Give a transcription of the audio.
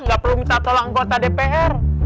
nggak perlu minta tolong anggota dpr